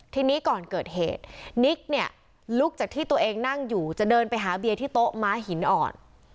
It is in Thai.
ทีนี้ก่อนเกิดเหตุนิกเนี่ยลุกจากที่ตัวเองนั่งอยู่จะเดินไปหาเบียร์ที่โต๊ะม้าหินอ่อน